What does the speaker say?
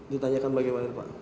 ditanyakan bagaimana pak